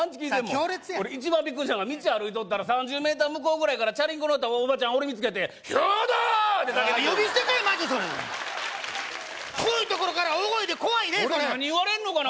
強烈や俺一番ビックリしたのが道歩いとったら３０メーター向こうぐらいからチャリンコ乗ったおばちゃん俺見つけて兵動！って叫んでくるの呼び捨てかいマジそれ遠いところから大声で怖いねそれ俺何言われんのかな